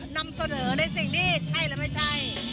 นำเสนอในสิ่งที่ใช่และไม่ใช่